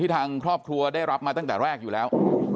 ทางครอบครัวได้รับมาตั้งแต่แรกอยู่แล้ว